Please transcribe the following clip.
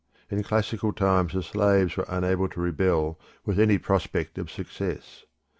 In classical times the slaves were unable to rebel with any prospect of success.